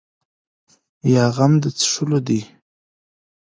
یا غم د څښلو ده.